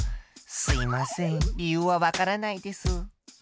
すいません理由はわからないです。